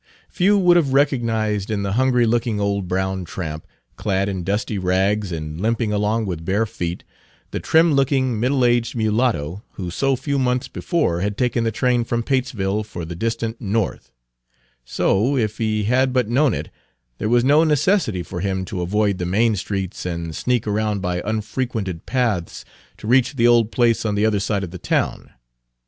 Few would have recognized in the hungry looking old brown tramp, clad in dusty rags and limping along with bare feet, the trim looking middle aged mulatto who so few months before had taken the train from Patesville for the distant North; so, if he had but known it, there was no necessity for him to avoid the main streets and sneak around by unfrequented paths to reach the old place on the other side of the town.